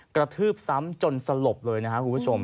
กระทืบซ้ำจนสลบเลยนะครับคุณผู้ชม